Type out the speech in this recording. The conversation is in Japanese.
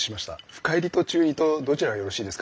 深煎りと中煎りとどちらがよろしいですか？